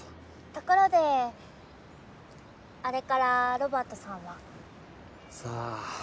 ところであれからロバートさんは？さあ。